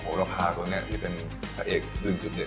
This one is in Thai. ในบรรณาไทยกอบทั้งหมดที่ร้านของจิตกาย